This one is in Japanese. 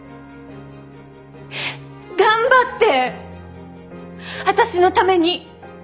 頑張って私のために。